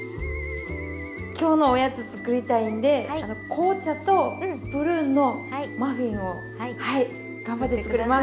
今日のおやつ作りたいんで紅茶とプルーンのマフィンを頑張って作ります。